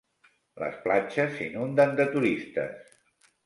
Les platges s'inunden de turistes.